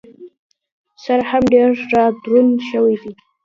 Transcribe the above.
سر هم ډېر را دروند شوی دی.